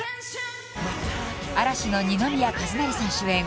嵐の二宮和也さん主演